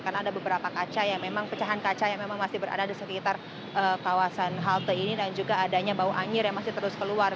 karena ada beberapa kaca yang memang pecahan kaca yang memang masih berada di sekitar kawasan halte ini dan juga adanya bau anjir yang masih terus keluar